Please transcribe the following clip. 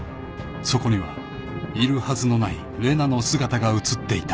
［そこにはいるはずのない玲奈の姿が映っていた］